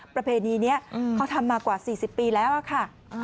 ประเพณีนี้เขาทำมากว่า๔๐ปีแล้วค่ะ